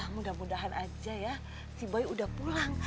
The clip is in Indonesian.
mudah mudahan aja ya si bayi udah pulang